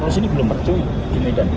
kalau sini belum berjualan